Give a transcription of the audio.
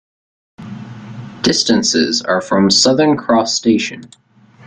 Distances are from Southern Cross station.